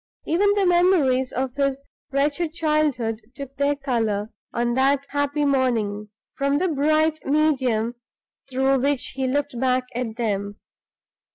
Even the memories of his wretched childhood took their color, on that happy morning, from the bright medium through which he looked back at them.